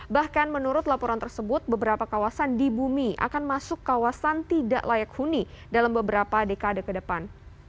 bahkan menurut laporan tersebut beberapa kawasan di bumi akan masuk kawasan tidak layak huni dalam beberapa dekade ke depan